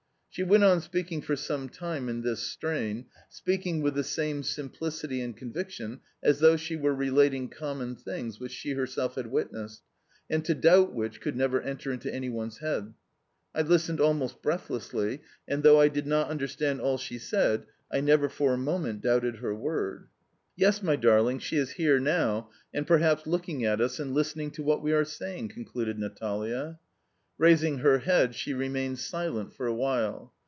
] She went on speaking for some time in this strain speaking with the same simplicity and conviction as though she were relating common things which she herself had witnessed, and to doubt which could never enter into any one's head. I listened almost breathlessly, and though I did not understand all she said, I never for a moment doubted her word. "Yes, my darling, she is here now, and perhaps looking at us and listening to what we are saying," concluded Natalia. Raising her head, she remained silent for a while.